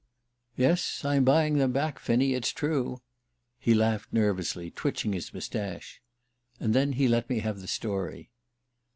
"Yes, I'm buying them back, Finney it's true." He laughed nervously, twitching his moustache. And then he let me have the story.